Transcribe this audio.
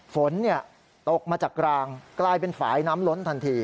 ฝนเนี่ยตกมาจากกลางใกล้เป็นฝายน้ำล้นทันที